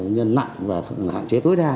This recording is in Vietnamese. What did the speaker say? nhân nặng và hạn chế tối đa